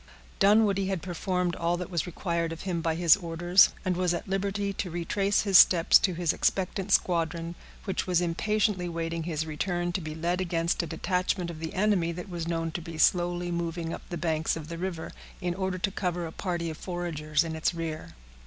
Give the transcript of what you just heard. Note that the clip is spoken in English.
Dunwoodie had performed all that was required of him by his orders, and was at liberty to retrace his steps to his expectant squadron, which was impatiently waiting his return to be led against a detachment of the enemy that was known to be slowly moving up the banks of the river, in order to cover a party of foragers in its rear.